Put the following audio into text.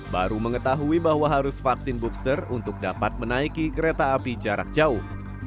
baru mengetahui bahwa harus vaksin booster untuk dapat menaiki kereta api jarak jauh